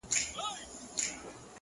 ژوند پکي اور دی آتشستان دی